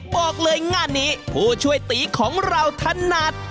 บอกเลยงานนี้ผู้ช่วยตีของเราถนัด